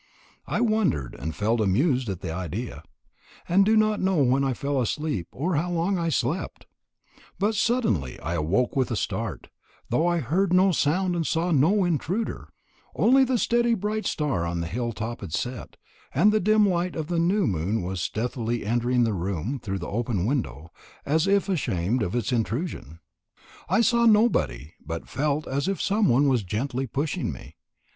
I wondered and felt amused at the idea, and do not knew when I fell asleep or how long I slept; but I suddenly awoke with a start, though I heard no sound and saw no intruder only the steady bright star on the hilltop had set, and the dim light of the new moon was stealthily entering the room through the open window, as if ashamed of its intrusion. I saw nobody, but felt as if some one was gently pushing me.